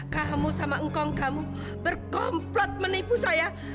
kamu sama engkong kamu berkomplot menipu saya